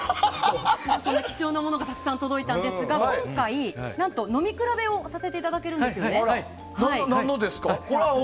貴重なものがたくさん届いたんですが今回、飲み比べをさせていただけるんですね。